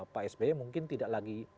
pak sby mungkin tidak lagi